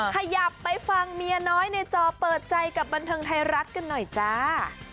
ขยับไปฟังเมียน้อยในจอเปิดใจกับบันเทิงไทยรัฐกันหน่อยจ้า